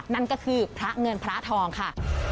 นั่นก็คือพระเงินพระทองค่ะ